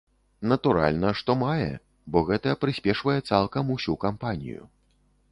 Натуральна, што мае, бо гэта прыспешвае цалкам усю кампанію.